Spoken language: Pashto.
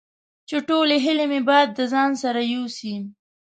چې ټولې هیلې مې باد د ځان سره یوسي